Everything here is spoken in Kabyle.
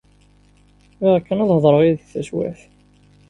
Bɣiɣ kan ad hedreɣ yid-k taswiɛt.